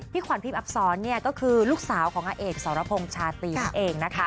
พี่ขวานพิมอับศรก็คือลูกสาวอเอกสารพงษ์ชาตินเขาเอง